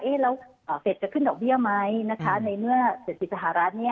เอ๊ะแล้วเสร็จจะขึ้นดอกเบี้ยไหมนะคะในเมื่อสถิติสหราชเนี่ย